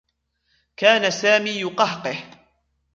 كان سامي يقهقه.